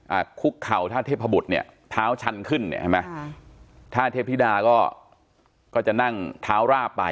อ่าคุกเข่าถ้าเทพพบุฎเนี่ยเท้าชันขึ้นเทพทิทาก็จะนั่งเท้าร่าไป